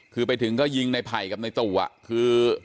คือไปถึงก็ยิงนายไพ่กับนายตู่อ่ะคือ